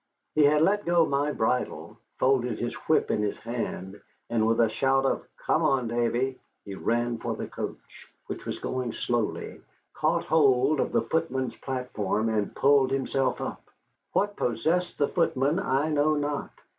He had let go my bridle, folded his whip in his hand, and with a shout of "Come on, Davy," he ran for the coach, which was going slowly, caught hold of the footman's platform, and pulled himself up. What possessed the footman I know not.